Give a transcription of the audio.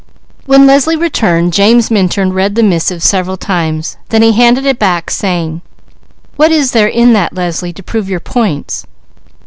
When Leslie returned James Minturn read the missive several times; then he handed it back, saying: "What is there in that Leslie, to prove your points?"